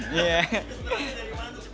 itu nanya dari mana tuh